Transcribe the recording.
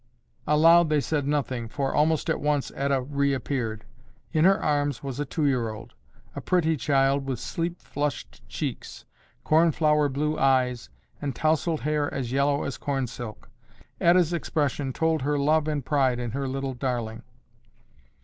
Aloud they said nothing, for, almost at once Etta reappeared. In her arms was a two year old; a pretty child with sleep flushed cheeks, corn flower blue eyes and tousled hair as yellow as cornsilk. Etta's expression told her love and pride in her little darling.